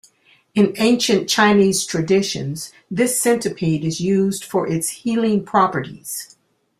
In ancient Chinese traditions, this centipede is used for its healing properties.